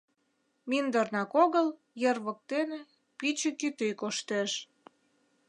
Мӱндырнак огыл, ер воктене, пӱчӧ кӱтӱ коштеш.